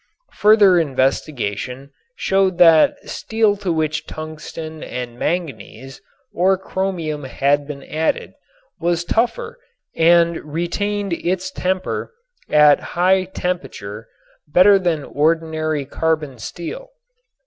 Further investigation showed that steel to which tungsten and manganese or chromium had been added was tougher and retained its temper at high temperature better than ordinary carbon steel.